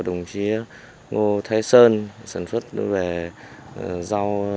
đồng chí ngô thái sơn sản xuất về rau